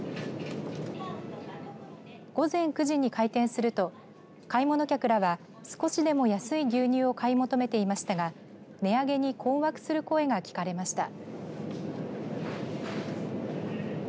午前９時に開店すると買い物客らは少しでも安い牛乳を買い求めていましたが値上げに困惑する声が聞かれました。